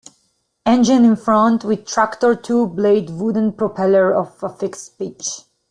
Engine in front, with tractor two-blade wooden propeller of a fixed pitch.